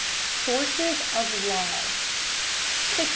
SOURCES OF LAW 602.